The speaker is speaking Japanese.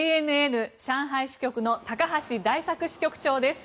ＡＮＮ上海支局の高橋大作支局長です。